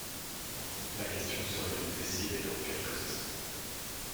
La question serait donc décidée dans quelques instants.